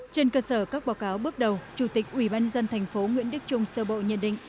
trên cơ sở các báo cáo bước đầu chủ tịch ubnd tp nguyễn đức trung sơ bộ nhận định